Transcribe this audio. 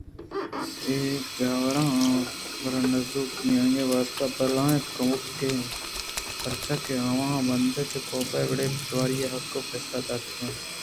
اے جاوراں برانزویک آئی ءِواستہ بلاہیں کمکے اِت اَنت پرچاکہ آواں بندات ءَ کاف ءِ وڑیں پٹواری ءِحقءَ فیصلہ داتگ اَت